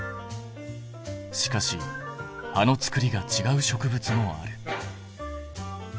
しかし葉のつくりがちがう植物もある。